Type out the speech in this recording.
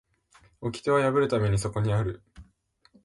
掟は破るためにそこにある